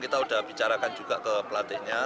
kita sudah bicarakan juga ke pelatihnya